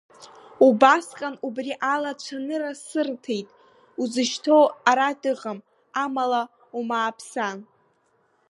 Убасҟан убри ала ацәанырра сырҭеит, узышьҭоу ара дыҟам, амала умааԥсан.